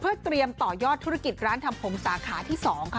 เพื่อเตรียมต่อยอดธุรกิจร้านทำผมสาขาที่๒ค่ะ